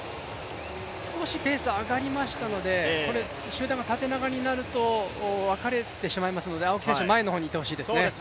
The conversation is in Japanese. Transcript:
少しペースが上がりましたので、集団が縦長になると分かれてしまいますので、青木選手前の方にいてほしいですね。